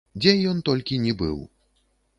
Дзе ён толькі ні быў!